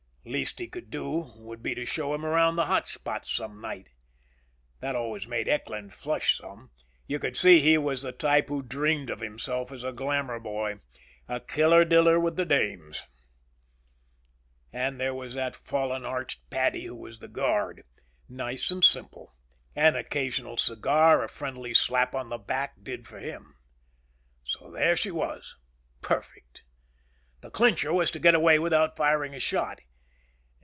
Least he could do would be to show him around the hot spots some night. That always made Eckland flush some; you could see he was the type who dreamed of himself as a glamor boy, a killer diller with the dames. And there was that fallen arched Paddy who was the guard. Nice and simple. An occasional cigar, a friendly slap on the back, did for him. So there she was. Perfect. The clincher was to get away without firing a shot.